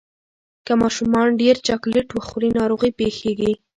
که ماشومان ډیر چاکلېټ وخوري، ناروغي پېښېږي.